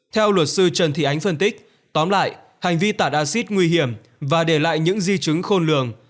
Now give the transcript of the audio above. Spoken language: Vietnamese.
theo luật sư trần thị ánh phân tích tóm lại hành vi tả acid nguy hiểm và để lại những di chứng khôn lường